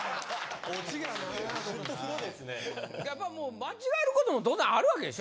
間違えることも当然あるわけでしょ？